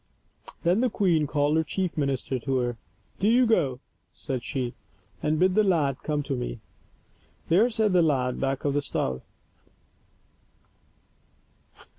Then the queen called her chief minister to her. " Do you go,'* said she, " and bid the lad come to me." There sat the lad back of the stove.